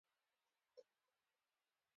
د علماوو شورا څه رول لري؟